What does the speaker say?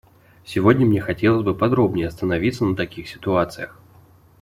Сегодня мне хотелось бы подробней остановиться на таких ситуациях.